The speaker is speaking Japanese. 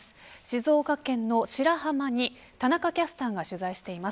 静岡県の白浜に田中キャスターが取材しています。